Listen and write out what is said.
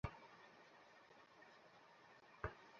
একটি পুরুষ ময়ূর দুইটি মহিলা ময়ূর ছিল।